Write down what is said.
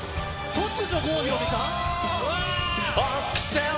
突如、郷ひろみさん？